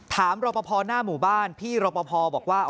ถามรบพหน้าหมู่บ้านพี่รบพบอกว่า